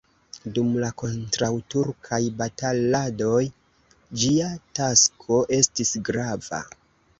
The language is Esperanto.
Dum la kontraŭturkaj bataladoj ĝia tasko estis grava.